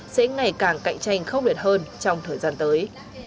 sẽ ngày càng cạnh tranh khốc liệt hơn trong thời gian tới